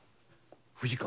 藤川